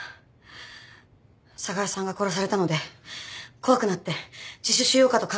寒河江さんが殺されたので怖くなって自首しようかと考えていたそうです。